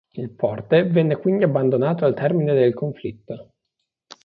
Il forte venne quindi abbandonato al termine del conflitto.